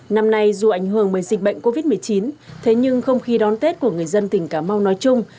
năm nay dù ảnh hưởng bởi dịch bệnh covid một mươi chín thế nhưng không khí đón tết của người dân tỉnh cà mau nói chung